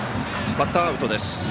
バッターアウトです。